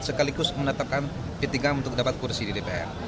sekaligus menetapkan petinggan untuk dapat kursi di dpn